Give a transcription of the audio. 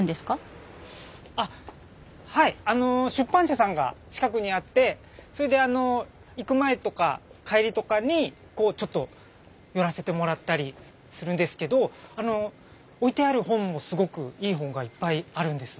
あはい出版社さんが近くにあってそれで行く前とか帰りとかにちょっと寄らせてもらったりするんですけど置いてある本もすごくいい本がいっぱいあるんです。